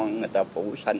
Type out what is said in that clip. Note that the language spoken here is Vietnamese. người ta phủ xanh